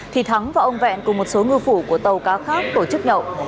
thì thắng và ông vẹn cùng một số ngư phủ của tàu cá khác tổ chức nhậu